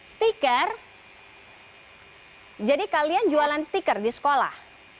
stiker jadi kalian jualan stiker di sekolah